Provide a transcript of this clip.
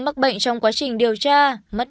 mắc bệnh trong quá trình điều tra mất